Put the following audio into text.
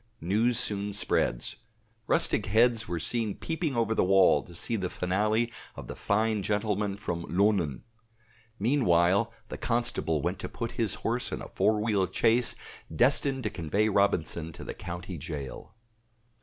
News soon spreads; rustic heads were seen peeping over the wall to see the finale of the fine gentleman from "Lunnun." Meantime the constable went to put his horse in a four wheeled chaise destined to convey Robinson to the county jail.